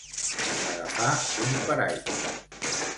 Agafar un paraigua.